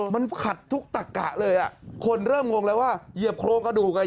มันขัดทุกตะกะเลยอ่ะคนเริ่มงงแล้วว่าเหยียบโครงกระดูกไง